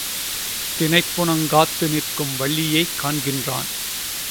தினைப்புனங்காத்து நிற்கும் வள்ளியை காண்கின்றான்.